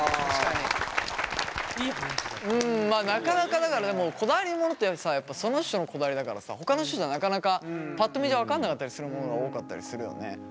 なかなかだからでもこだわりモノってやっぱその人のこだわりだからさほかの人じゃなかなかパッと見じゃ分かんなかったりするモノが多かったりするよね。